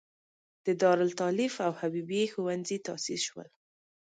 د دارالتالیف او حبیبې ښوونځی تاسیس شول.